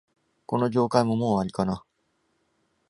この業界も、もう終わりかな